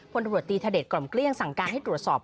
พลตำรวจตีธเดชกล่อมเกลี้ยงสั่งการให้ตรวจสอบ